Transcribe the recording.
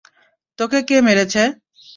তোকে কে মেরেছে?